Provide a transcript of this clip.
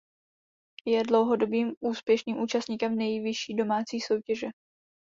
Je dlouhodobým úspěšným účastníkem nejvyšší domácí soutěže.